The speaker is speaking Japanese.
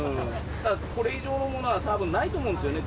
これ以上のものは多分ないと思うんですよね